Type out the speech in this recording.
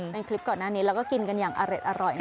เป็นคลิปก่อนหน้านี้แล้วก็กินกันอย่างอร็ดอร่อย